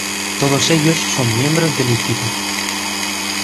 Todos ellos son miembros del Instituto.